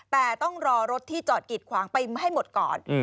แต่ต้องรอรถที่จอดกิดขวางไปให้หมดก่อน